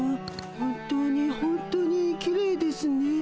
本当に本当にきれいですね。